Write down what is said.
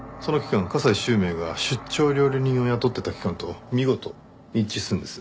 加西周明が出張料理人を雇っていた期間と見事一致するんです。